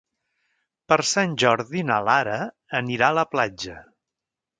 Per Sant Jordi na Lara anirà a la platja.